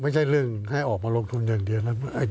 ไม่ใช่เรื่องให้ออกมาลงทุนอย่างเดียวนะ